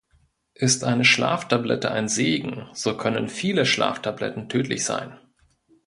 Ist eine Schlaftablette ein Segen, so können viele Schlaftabletten tödlich sein.